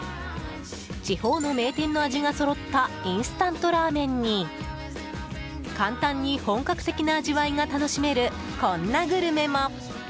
地方の名店の味がそろったインスタントラーメンに簡単に本格的な味わいが楽しめるこんなグルメも。